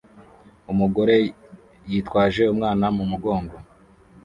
Umugore yitwaje umwana mu mugongo